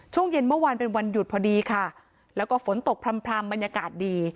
ช่วงเย็นเมื่อวานเป็นวันหยุดพอดีค่ะแล้วก็ฝนตกพร่ำบรรยากาศดี